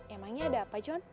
emangnya ada apa john